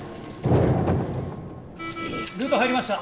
ルート入りました。